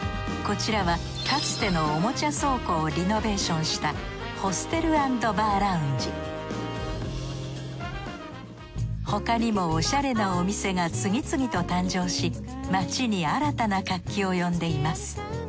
こちらはかつてのおもちゃ倉庫をリノベーションしたホステル＆バーラウンジ他にもオシャレなお店が次々と誕生し街に新たな活気を呼んでいます。